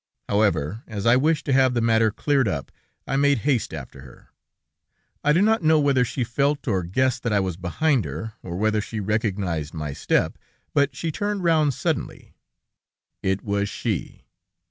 However, as I wished to have the matter cleared up, I made haste after her. I do not know whether she felt or guessed that I was behind her, or whether she recognized my step, but she turned round suddenly. It was she!